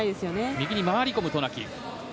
右回り込む渡名喜。